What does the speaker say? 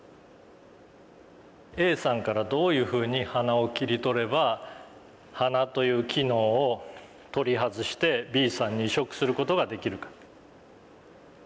Ａさんからどういうふうに鼻を切り取れば鼻という機能を取り外してＢさんに移植する事ができるか。